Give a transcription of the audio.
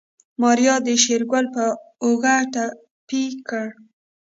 ماريا د شېرګل په اوږه ټپي کړه.